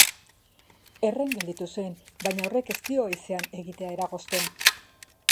Herren gelditu zen baina horrek ez dio ehizean egitea eragozten.